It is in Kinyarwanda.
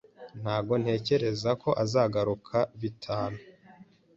Ntabwo ntekereza ko azagaruka bitanu.